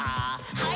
はい。